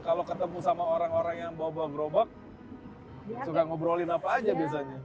kalau ketemu sama orang orang yang bawa bawa gerobak suka ngobrolin apa aja biasanya